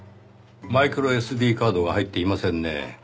マイクロＳＤカードが入っていませんね